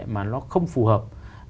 mà nó không phù hợp